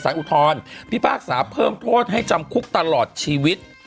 อุทธรพิพากษาเพิ่มโทษให้จำคุกตลอดชีวิต